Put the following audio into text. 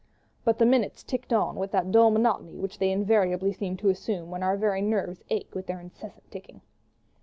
But the minutes ticked on with that dull monotony which they invariably seem to assume when our very nerves ache with their incessant ticking.